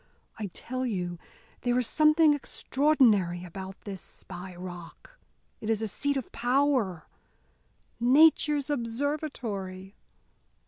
I tell you there is something extraordinary about this Spy Rock. It is a seat of power Nature's observatory.